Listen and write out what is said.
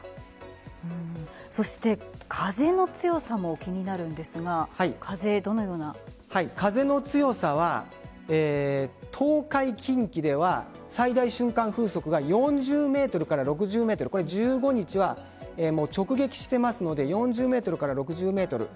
そして風の強さも気になるんですが風の強さは東海、近畿では最大瞬間風速が４０メートルから６０メートル１５日は直撃していますので４０メートルから６０メートル。